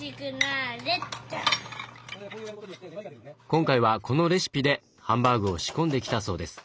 今回はこのレシピでハンバーグを仕込んできたそうです。